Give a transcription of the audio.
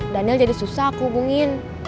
daniel jadi susah hubungin